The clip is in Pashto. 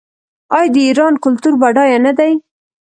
آیا د ایران کلتور بډایه نه دی؟